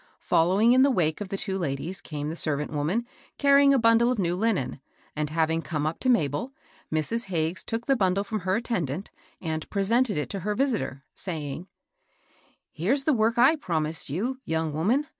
Following in the wake of the two ladies came the servant woman, carrying a bundle of new linen ; and, having come up to Mabel, Mrs. Hagges took the bundle &om her attendant and presented it to her visitor, saying, —" Here's the work I promised you, young woman.